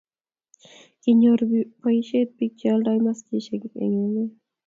kinyoru boisiet biik che oldoi maskisiek eng' emet